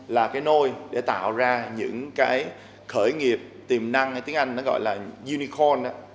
là cái nôi để tạo ra những cái khởi nghiệp tiềm năng hay tiếng anh nó gọi là unicorn đó